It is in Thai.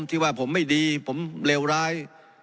ที่ว่าผมไม่ดีผมเลวร้าย